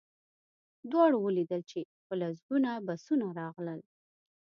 دواړو ولیدل چې په لسګونه بسونه راغلل